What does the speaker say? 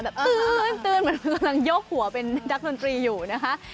ตื้นเหมือนกำลังยกหัวเป็นนักดนตรีอยู่นะคะ